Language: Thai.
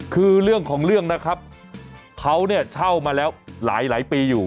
คือเรื่องของเรื่องนะครับเขาเนี่ยเช่ามาแล้วหลายปีอยู่